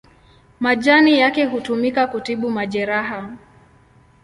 Majani yake hutumika kutibu majeraha.